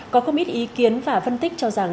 có không ít ý kiến và phân tích cho rằng